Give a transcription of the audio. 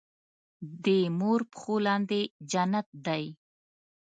دې مور پښو لاندې جنت دی